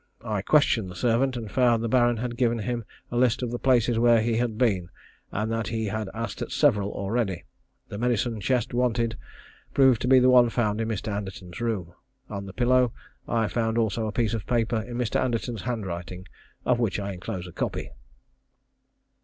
I questioned the servant, and found the Baron had given him a list of the places where he had been, and that he had asked at several already. The medicine chest wanted, proved to be the one found in Mr. Anderton's room. On the pillow I found also a piece of paper in Mr. Anderton's handwriting, of which I enclose a copy.